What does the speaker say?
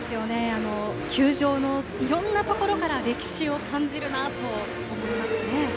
球場のいろんなところから歴史を感じるなと思いますね。